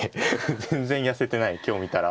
全然痩せてない今日見たら。